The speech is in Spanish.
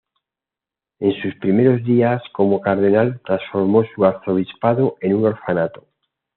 En sus primeros días como cardenal, transformó su arzobispado en un orfanato.